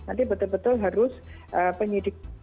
nanti betul betul harus penyidik